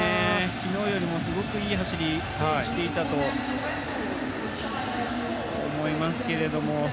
昨日よりも、すごくいい走りをしていったと思いますけれども。